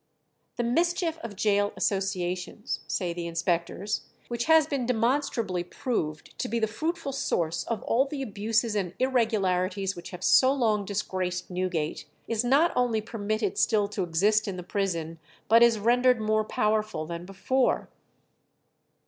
"The mischief of gaol associations," say the inspectors, "which has been demonstrably proved to be the fruitful source of all the abuses and irregularities which have so long disgraced Newgate, is not only permitted still to exist in the prison, but is rendered more powerful than before."...